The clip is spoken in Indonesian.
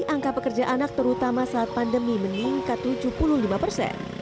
angka pekerja anak terutama saat pandemi meningkat tujuh puluh lima persen